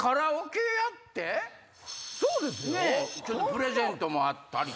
プレゼントもあったり。